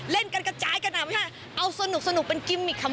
เล่นกันกระจายกันอ่ะไม่ใช่เอาสนุกเป็นกิมมิกคำ